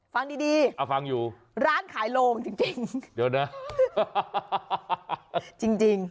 ฟังดีร้านขายโรงจริง